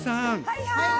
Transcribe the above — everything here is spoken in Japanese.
はいはい！